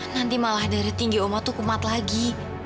nanti malah dari tinggi oma tuh kumat lagi